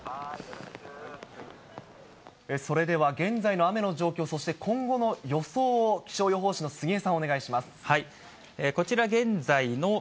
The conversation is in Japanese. それでは現在の雨の状況、そして今後の予想を気象予報士の杉江さん、お願いします。